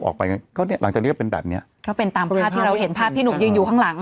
ออกไปก็เนี่ยหลังจากนี้ก็เป็นแบบเนี้ยก็เป็นตามภาพที่เราเห็นภาพพี่หนุ่มยืนอยู่ข้างหลัง